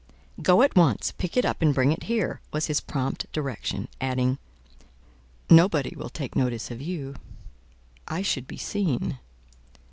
"Go, at once; pick it up and bring it here," was his prompt direction; adding, "Nobody will take notice of you: I should be seen."